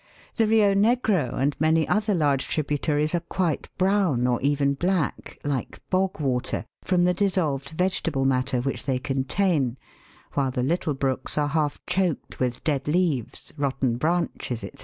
The Rio Negro and many other large tributaries are quite brown or even black, like bog water, from the dissolved vegetable matter which they contain, while the little brooks are half choked with dead leaves, rotten branches, &c.